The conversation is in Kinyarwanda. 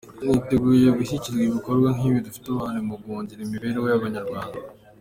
Niteguye gushyigikira ibikorwa nk’bi bifite uruhare mu guhindura imibereho y’Abanyarwanda.